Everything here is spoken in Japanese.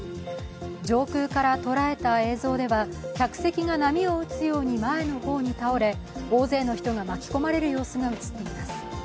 上空から捉えた映像では、客席が波を打つように前の方に倒れ、大勢の人が巻き込まれる様子が映っています。